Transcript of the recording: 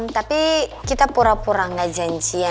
tapi kita pura pura nggak janji